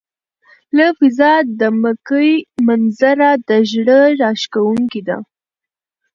له فضا د مکې منظره د زړه راښکونکې ده.